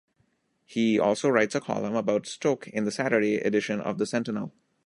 He also writes a column about Stoke in the Saturday edition of "The Sentinel".